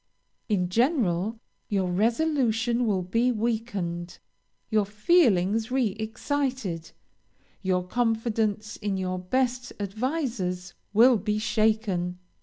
In general, your resolution will be weakened, your feelings re excited, your confidence in your best advisers will be shaken.